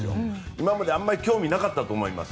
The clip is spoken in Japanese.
今まであまり興味なかったと思います。